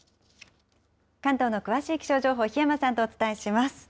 関東の詳しい気象情報、檜山さんとお伝えします。